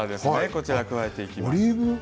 これを加えていきます。